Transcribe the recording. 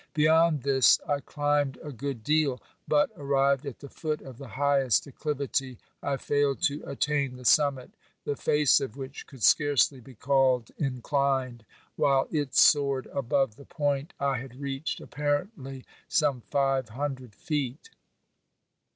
Beyond this I climbed a good deal, but, arrived at the foot of the highest 38 OBERMANN acclivity, I failed to attain the summit, the face of which could scarcely be called inclined, while it soared above the point I had reached apparently some five hundred feet.